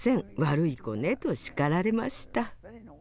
悪い子ね」と叱られました。